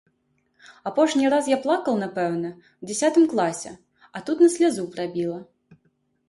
Апошні раз я плакаў, напэўна, у дзясятым класе, а тут на слязу прабіла.